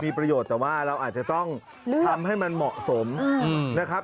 มีประโยชน์แต่ว่าเราอาจจะต้องทำให้มันเหมาะสมนะครับ